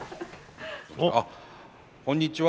あっこんにちは